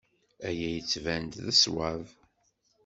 Aya yettban-d d ṣṣwab.